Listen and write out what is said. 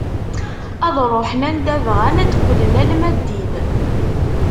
Ad ruḥen anda bɣan, ad d-qqlen alamma d din.